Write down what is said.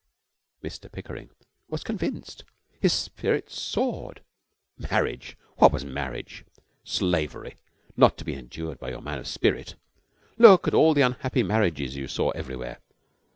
Mr Pickering was convinced. His spirits soared. Marriage! What was marriage? Slavery, not to be endured by your man of spirit. Look at all the unhappy marriages you saw everywhere.